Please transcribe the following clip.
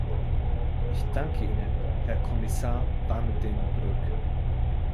Ich danke Ihnen, Herr Kommissar Van den Broek.